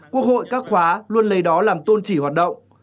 quốc hội các khóa luôn lấy đó làm tôn chỉ hoạt động